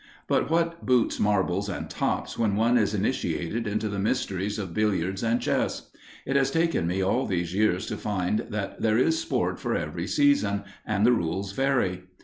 But what boots marbles and tops when one is initiated into the mysteries of billiards and chess? It has taken me all these years to find that there is sport for every season, and the rules vary.